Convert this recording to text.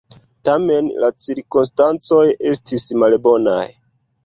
Tamen, la cirkonstancoj estis malbonaj.